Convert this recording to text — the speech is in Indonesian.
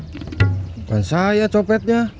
bukan saya copetnya